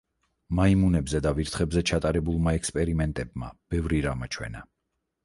მაიმუნებზე და ვირთხებზე ჩატარებულმა ექსპერიმენტებმა ბევრი რამ აჩვენა.